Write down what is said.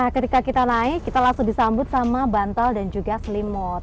ketika kita naik kita langsung disambut sama bantal dan juga selimut